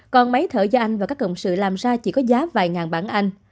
còn máy thở do anh và các cộng sự làm ra chỉ có giá vài ngàn bản anh